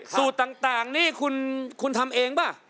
สูตรต่างนี่คุณทำเองป่ะ